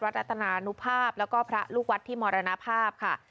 รัฐนานุภาพแล้วก็พระลูกวัดที่มรณภาพค่ะ